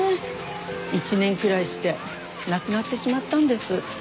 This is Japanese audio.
１年くらいして亡くなってしまったんです。